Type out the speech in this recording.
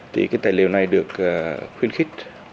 thì cái tài liệu này được khuyên khích